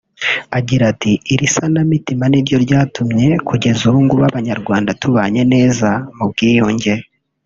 Agira ati “Iri sana mitima niryo ryatumye kugeza ubungubu Abanyarwanda tubanye neza mu bwiyunge